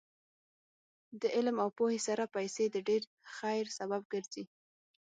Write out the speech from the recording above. د علم او پوهې سره پیسې د ډېر خیر سبب ګرځي.